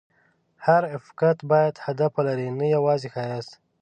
هر افکت باید هدف ولري، نه یوازې ښایست.